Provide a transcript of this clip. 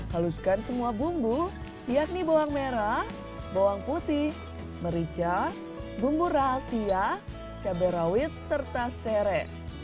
haluskan semua bumbu yakni bawang merah bawang putih merica bumbu rahasia cabai rawit serta sere